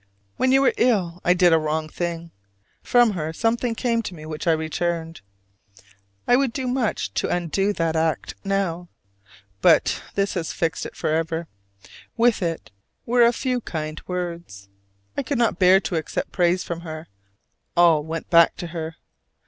When you were ill I did a wrong thing: from her something came to me which I returned. I would do much to undo that act now; but this has fixed it forever. With it were a few kind words. I could not bear to accept praise from her: all went back to her!